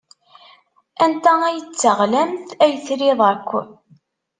Anta ay d taɣlamt ay trid akk?